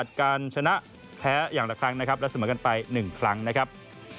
การชนะแพ้อย่างละครั้งนะครับและเสมอกันไป๑ครั้งนะครับ